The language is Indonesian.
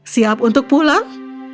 siap untuk pulang